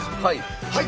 はい！